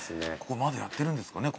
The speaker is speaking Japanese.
ここまだやってるんですかね